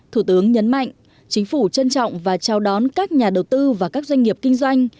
thủ tướng nhấn mạnh chính phủ trân trọng và chào đón các nhà đầu tư và các doanh nghiệp kinh doanh